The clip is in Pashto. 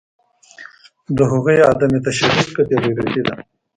د هغوی عدم تشدد که بیغیرتي ده